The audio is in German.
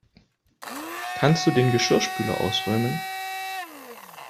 Kannst du den Geschirrspüler ausräumen?